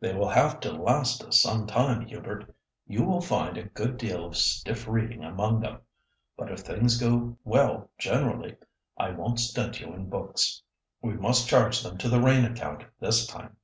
"They will have to last us some time, Hubert; you will find a good deal of stiff reading among them. But if things go well generally, I won't stint you in books. We must charge them to the rain account this time."